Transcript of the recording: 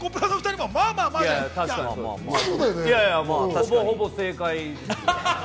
ほぼほぼ正解ですね。